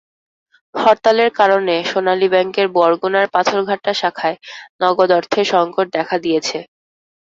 হরতালের কারণে সোনালী ব্যাংকের বরগুনার পাথরঘাটা শাখায় নগদ অর্থের সংকট দেখা দিয়েছে।